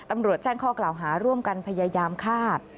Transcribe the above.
ตำรวจแจ้งข้อกล่าวหาร่วมกันพยายามฆ่า